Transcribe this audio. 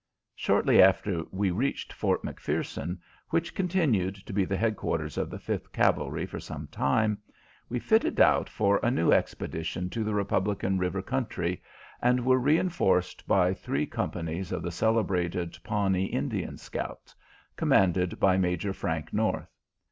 Shortly after we reached Fort McPherson, which continued to be the headquarters of the Fifth Cavalry for some time, we fitted out for a new expedition to the Republican River country, and were re enforced by three companies of the celebrated Pawnee Indian scouts, commanded by Major Frank North.